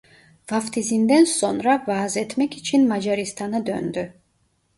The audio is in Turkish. Vaftizinden sonra vaaz etmek için Macaristan'a döndü.